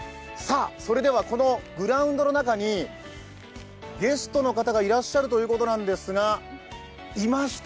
それではこのグラウンドの中にゲストの方がいらっしゃるということなんですが、いました。